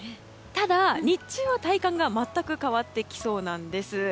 ただ、日中は体感が全く変わってきそうなんです。